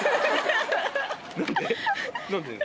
何で？